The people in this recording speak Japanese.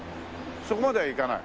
そこまでは行かない？